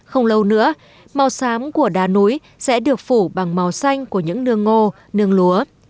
không lâu nữa màu xám của đá núi sẽ được phủ bằng màu xanh của những nương ngô nương lúa